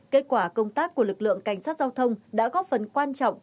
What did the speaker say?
kết quả công tác của lực lượng cảnh sát giao thông đã góp phần quan trọng